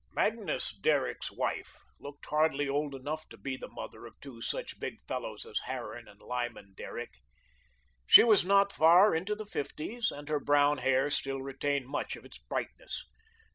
Magnus Derrick's wife looked hardly old enough to be the mother of two such big fellows as Harran and Lyman Derrick. She was not far into the fifties, and her brown hair still retained much of its brightness.